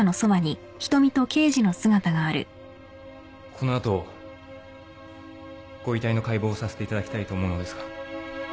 ・この後ご遺体の解剖をさせていただきたいと思うのですが。